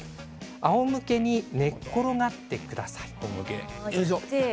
あおむけに寝っ転がってください。